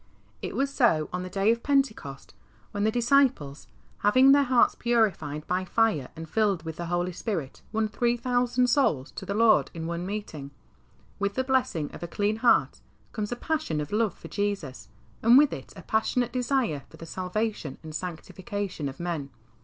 It was so on the day of Pentecost, when the disciples, having their hearts purified by fire and filled with the Holy Spirit, won three thousand souls to the Lord in one meeting. With the blessing of a clean heart comes a passion of love for Jesus, and with it a passionate desire for the salvation and sanctification of men.